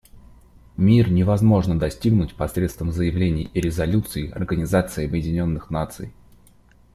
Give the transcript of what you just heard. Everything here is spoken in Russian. Мир невозможно достигнуть посредством заявлений и резолюций Организации Объединенных Наций.